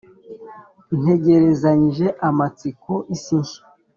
Ntegerezanyije amatsiko isi nshya